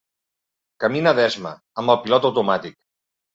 Camina d'esma, amb el pilot automàtic.